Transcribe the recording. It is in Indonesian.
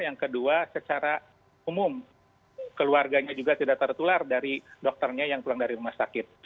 yang kedua secara umum keluarganya juga tidak tertular dari dokternya yang pulang dari rumah sakit